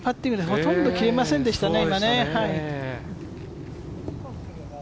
ほとんど切れませんでしたね。